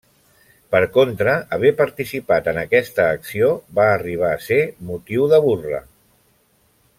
Per contra, haver participat en aquesta acció, va arribar a ser motiu de burla.